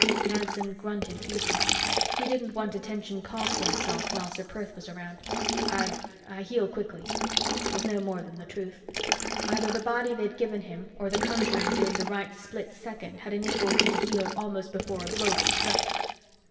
Hanson grunted feebly. He didn't want attention called to himself while Ser Perth was around. "I I heal quickly." It was no more than the truth. Either the body they'd given him or the conjuring during the right split second had enabled him to heal almost before a blow was struck.